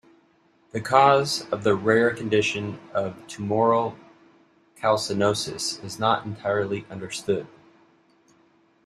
The cause of the rare condition of tumoral calcinosis is not entirely understood.